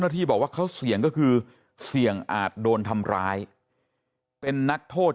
ที่บอกว่าเขาเสี่ยงก็คือเสี่ยงอาจโดนทำร้ายเป็นนักโทษ